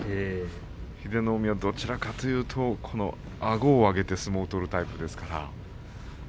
英乃海は、どちらかというとあごを上げて相撲を取るタイプですから。